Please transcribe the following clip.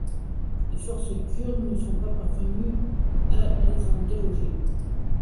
Les forces kurdes ne sont pas parvenues à les en déloger.